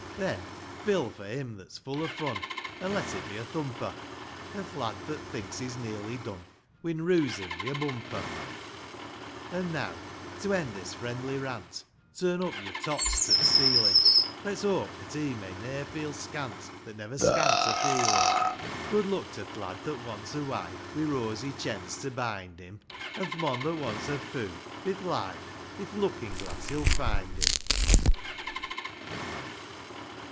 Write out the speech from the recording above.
Then, fill for him that's full o' fun, — An' let it be a thumper ; An' th' lad that thinks he's nearly done, We'n rooze him wi' a bumper ! V. An' now, to end this friendly rant, — Turn up yo'r tots^ to th' ceilin' ; Let's hope that he may ne'er feel scant That's never scant o' feelin' ! Good luck to th' lad that wants a wife, Wi' rosy chens^ to bind him ! An' th' mon that wants a foo, — bi th' life, — I'th lookin' glass he'll find him